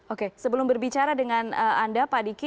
oke sebelum berbicara dengan anda pak diki